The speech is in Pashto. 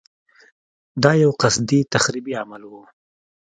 دا یو قصدي تخریبي عمل و.